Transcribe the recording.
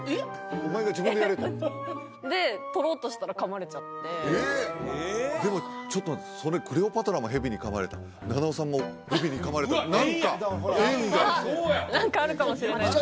お前が自分でやれと？で取ろうとしたら噛まれちゃってえっでもちょっと待ってそれクレオパトラも蛇に噛まれた菜々緒さんも蛇に噛まれた何か縁が何かあるかもしれないですかね